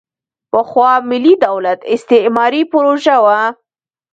پخوا ملي دولت استعماري پروژه وه.